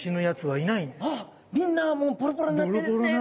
あっみんなもうボロボロになってるんですね。